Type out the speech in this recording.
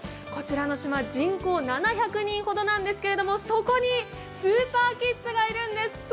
こちらの島、人口７００人ほどなんですけどそこにスーパーキッズがいるんです。